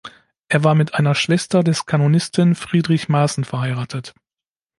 Er war mit einer Schwester des Kanonisten Friedrich Maaßen verheiratet.